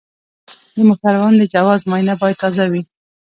د موټروان د جواز معاینه باید تازه وي.